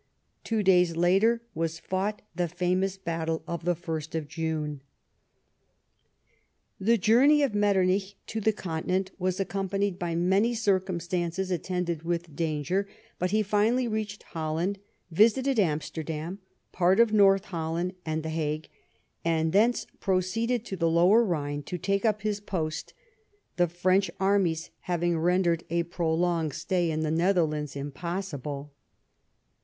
Two days later was fought the famous battle of the 1st of June. The journey of Metternich to the Continent was accom panied by many circumstances attended with danger, but he finally reached Holland, visited Amsterdam, part of North Holland, and the Hague, and thence proceeded to the Lower Rhine to take up his post, the French armies having rendered a prolonged stay in the Netherlands impossible.